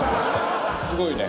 すごいね。